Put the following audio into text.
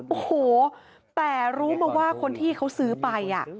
โอ้โหแต่รู้มาว่าคนที่เขาซื้อไป